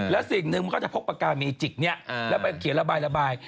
แล้วสิ่งหนึ่งมันก็จะพกปากกาเมจิกนี้แล้วไปเขียนระบาย